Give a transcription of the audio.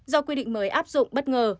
do quy định mới áp dụng bất ngờ